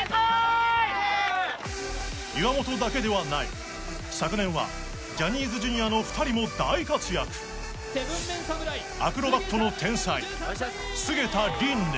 岩本だけではない昨年はジャニーズＪｒ．の２人も大活躍アクロバットの天才菅田琳寧